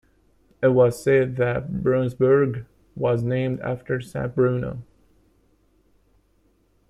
It was said that Braunsberg was named after Saint Bruno.